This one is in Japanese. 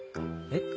えっ？